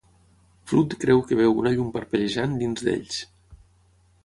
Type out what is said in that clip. Flood creu que veu una llum parpellejant dins d'ells.